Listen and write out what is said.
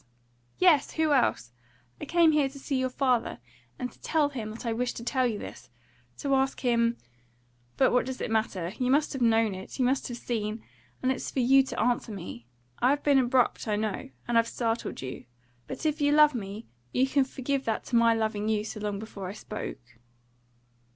yes! Who else? I came here to see your father, and to tell him that I wished to tell you this to ask him But what does it matter? You must have known it you must have seen and it's for you to answer me. I've been abrupt, I know, and I've startled you; but if you love me, you can forgive that to my loving you so long before I spoke."